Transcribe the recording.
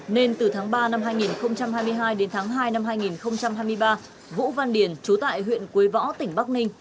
nên từ tháng ba năm hai nghìn hai mươi hai đến tháng hai năm hai nghìn hai mươi ba vũ văn điền chú tại huyện quế võ tỉnh bắc ninh